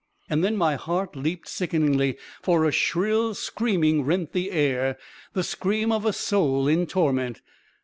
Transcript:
. And then my heart leaped sickeningly, for a shrill screaming rent the air — the scream of a soul in torment